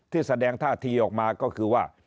แสดงท่าทีออกมาก็คือว่า